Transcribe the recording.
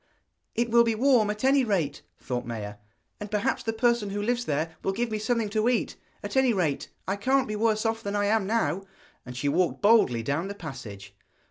'It will be warm, at any rate,' thought Maia, 'and perhaps the person who lives there will give me something to eat. At any rate, I can't be worse off than I am now.' And she walked boldly down the passage.